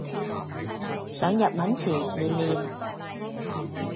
上日文前練練